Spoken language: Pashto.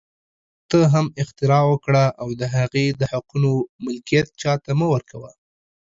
ته هم اختراع وکړه او د هغې د حقوقو ملکیت چا ته مه ورکوه